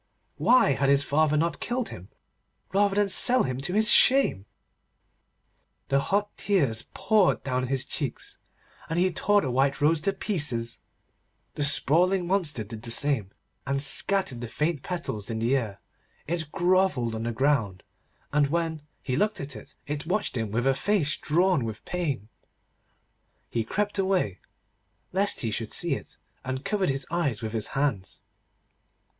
Why had his father not killed him, rather than sell him to his shame? The hot tears poured down his cheeks, and he tore the white rose to pieces. The sprawling monster did the same, and scattered the faint petals in the air. It grovelled on the ground, and, when he looked at it, it watched him with a face drawn with pain. He crept away, lest he should see it, and covered his eyes with his hands.